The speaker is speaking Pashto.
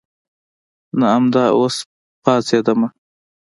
نه امدا اوس پاڅېدلمه.